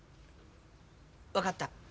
分かった。